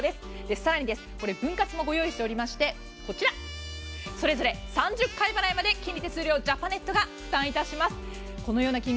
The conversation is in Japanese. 更に、分割も用意しておりましてそれぞれ３０回払いまで金利・手数料ジャパネットが負担します。